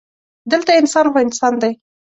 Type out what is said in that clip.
دلته انسان خو انسان دی.